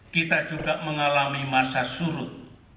kita juga mengalami masa surut